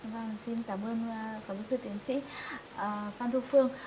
vâng xin cảm ơn phóng sư tiến sĩ phan thu phương